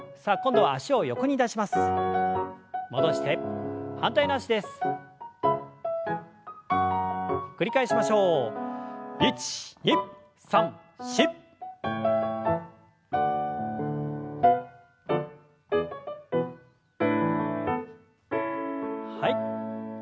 はい。